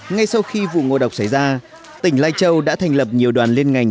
ngay sau khi vụ ngộ độc xảy ra tỉnh lai châu đã thành lập nhiều đoàn liên ngành